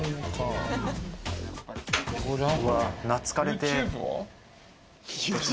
懐かれてぇ。